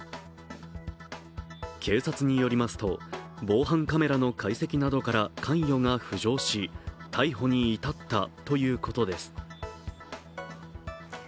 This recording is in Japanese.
警察によりますと防犯カメラの解析などから関与が浮上し逮捕に至ったということです。